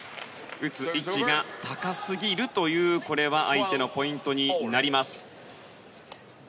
打つ位置が高すぎるということで相手のポイントになります。